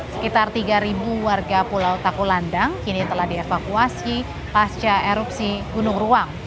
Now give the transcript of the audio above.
sekitar tiga warga pulau takulandang kini telah dievakuasi pasca erupsi gunung ruang